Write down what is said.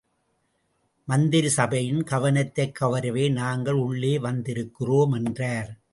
மந்திரி சபையின் கவனத்தைக் கவரவே நாங்கள் உள்ளே வந்திருக்கிறோம் என்றார்.